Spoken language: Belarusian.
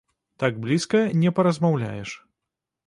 Так блізка не паразмаўляеш.